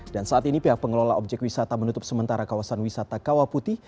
dan saat ini pihak pengelola obyek wisata menutup sementara kawasan wisata kawah putih